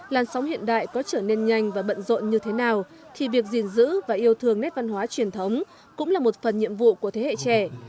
làn sóng hiện đại có trở nên nhanh và bận rộn như thế nào thì việc gìn giữ và yêu thương nét văn hóa truyền thống cũng là một phần nhiệm vụ của thế hệ trẻ